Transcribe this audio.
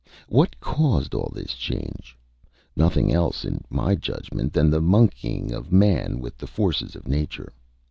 What caused all this change? Nothing else, in my judgment, than the monkeying of man with the forces of nature.